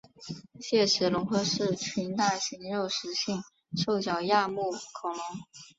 鲨齿龙科是群大型肉食性兽脚亚目恐龙。